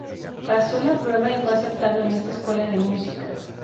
Pasó la prueba y fue aceptado en esta escuela de música.